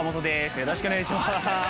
よろしくお願いします。